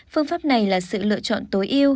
phương pháp này là sự lựa chọn tối yêu